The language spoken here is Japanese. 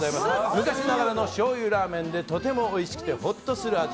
昔ながらのしょうゆラーメンでとてもおいしくてほっとする味。